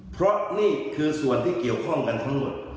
เพราะนี่คือส่วนที่เกี่ยวข้องกันทั้งหมด